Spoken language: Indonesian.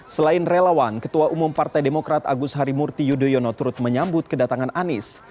selain relawan ketua umum partai demokrat agus harimurti yudhoyono turut menyambut kedatangan anies